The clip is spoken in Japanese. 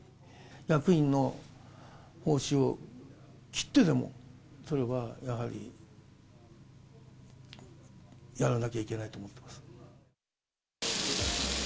役員の報酬を切ってでも、それはやはりやらなきゃいけないと思ってます。